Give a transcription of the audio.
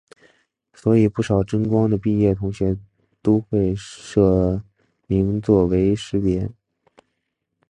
所以不少真光的毕业同学都会社名作为识别。